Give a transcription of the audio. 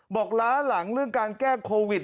บอกหลายละหลังเรื่องการแก้โควิด